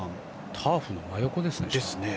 ターフの真横ですね。